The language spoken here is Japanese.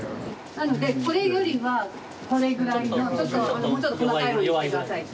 なのでこれよりはこれぐらいのちょっともうちょっと細かい方にして下さいって。